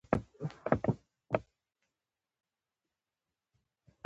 وینه پاکه ساتل د روغتیا نښه ده.